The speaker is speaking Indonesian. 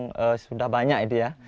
yang mencari yang sudah banyak itu ya